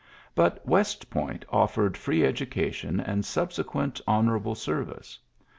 But "West Point oflfere^ free education and subsequent honour ^ able service.